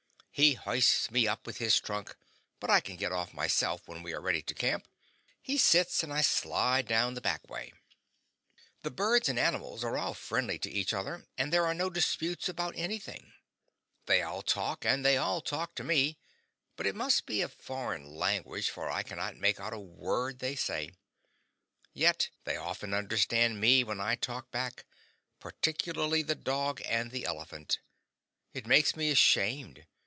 He hoists me up with his trunk, but I can get off myself; when we are ready to camp, he sits and I slide down the back way. The birds and animals are all friendly to each other, and there are no disputes about anything. They all talk, and they all talk to me, but it must be a foreign language, for I cannot make out a word they say; yet they often understand me when I talk back, particularly the dog and the elephant. It makes me ashamed.